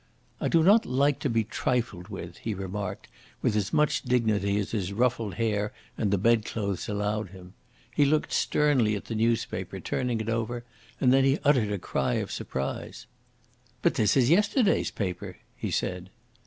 "I do not like to be trifled with," he remarked, with as much dignity as his ruffled hair and the bed clothes allowed him. He looked sternly at the newspaper, turning it over, and then he uttered a cry of surprise. "But this is yesterday's paper!" he said.